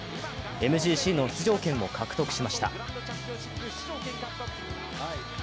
ＭＧＣの出場権を獲得しました。